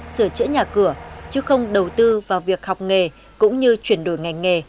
sửa chữa nhà cửa chứ không đầu tư vào việc học nghề cũng như chuyển đổi ngành nghề